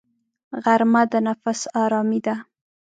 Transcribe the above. غرمه د نفس آرامي ده